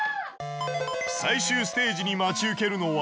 最終ステージに待ち受けるのは。